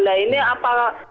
nah ini apa